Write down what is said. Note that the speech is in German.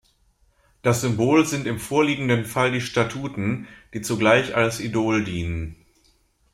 Das Symbol sind im vorliegenden Fall die Statuen, die zugleich als Idol dienen.